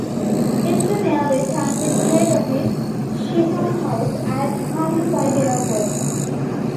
Eastern Airways has its head office, Schiphol House, at Humberside Airport.